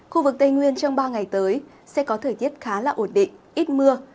khu vực tây nguyên trong ba ngày tới sẽ có thời tiết khá là ổn định ít mưa